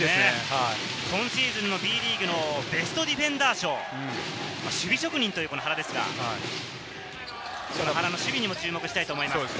今シーズンのＢリーグのベストディフェンダー賞、守備職人という原ですが、その原の守備にも注目したいと思います。